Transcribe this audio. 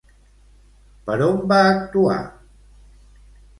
Per on va actuar?